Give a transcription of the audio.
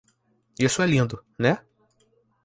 Isso é lindo, né?